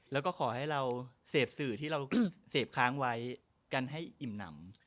แล้วก็ขอให้เราเสพสื่อที่เราเสพค้างไว้กันให้อิ่มหนำ